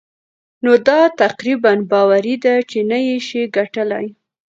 نو دا تقريباً باوري ده چې نه يې شې ګټلای.